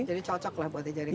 jadi cocok lah buat dijadikan